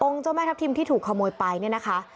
เจ้าแม่ทัพทิมที่ถูกขโมยไปเนี่ยนะคะ